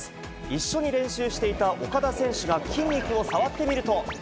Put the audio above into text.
一緒に練習していた岡田選手が筋肉を触ってみると。